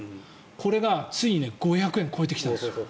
これがついに５００円を超えてきたんです。